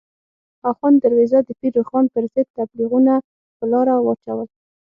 اخوند درویزه د پیر روښان پر ضد تبلیغونه په لاره واچول.